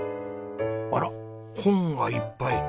あらっ本がいっぱい。